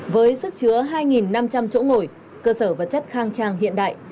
với sức chứa hai năm trăm linh chỗ ngồi cơ sở vật chất khang trang hiện đại